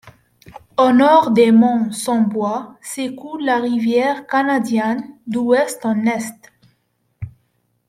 Au nord des monts Sans Bois, s'écoule la rivière Canadian d'Ouest en Est.